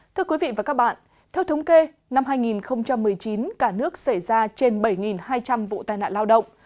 thưa các bạn theo thống kê năm hai nghìn một mươi chín cả nước xảy ra trên bảy hai trăm linh vụ tai nạn lao động